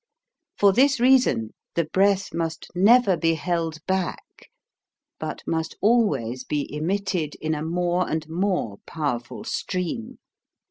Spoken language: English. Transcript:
For this reason the breath must never be held back, but must always be emitted in a more and more powerful stream.